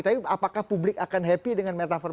tapi apakah publik akan happy dengan metaverse